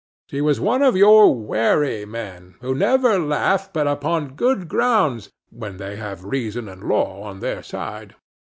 He was one of your wary men, who never laugh but upon good grounds when they have reason and law on their side.